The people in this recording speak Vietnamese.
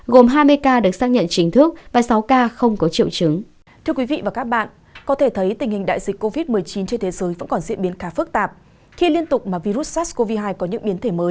gồm hai mươi ca được xác nhận chính thức và sáu ca không có triệu chứng